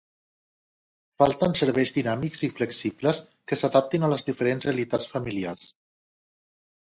Falten serveis dinàmics i flexibles que s'adaptin a les diferents realitats familiars.